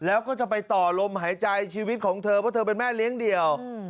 แล้วก็จะไปต่อลมหายใจชีวิตของเธอเพราะเธอเป็นแม่เลี้ยงเดี่ยว